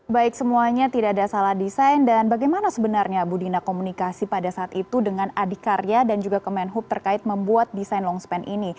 baik semuanya tidak ada salah desain dan bagaimana sebenarnya bu dina komunikasi pada saat itu dengan adikarya dan juga kemenhub terkait membuat desain longspan ini